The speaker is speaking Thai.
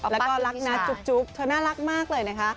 แล้วก็รักนะจุ๊บเธอน่ารักมากเลยนะคะ